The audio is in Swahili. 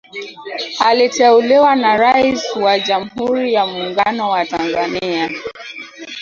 Aliteuliwa na Rais wa Jamhuri ya muungano wa Tanzania